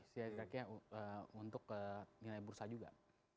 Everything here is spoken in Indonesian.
setidaknya untuk nilai bursa juga